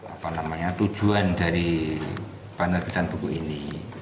apa namanya tujuan dari penerbitan buku ini